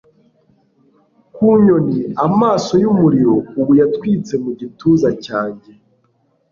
ku nyoni amaso yumuriro ubu yatwitse mu gituza cyanjye